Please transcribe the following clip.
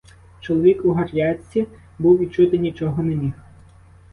Чоловік у гарячці був і чути нічого не міг.